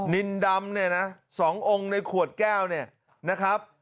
นินดำเนี่ยนะ๒องค์ในขวดแก้วเนี่ยนะครับ